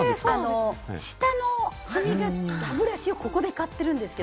舌の歯みがき、歯ブラシをここで買ってるんですよ。